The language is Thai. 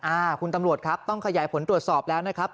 อ่าคุณตำรวจครับต้องขยายผลตรวจสอบแล้วนะครับ